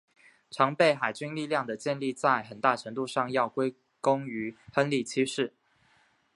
常备海军力量的建立在很大程度上要归功于亨利七世。